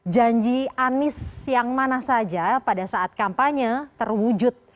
janji anies yang mana saja pada saat kampanye terwujud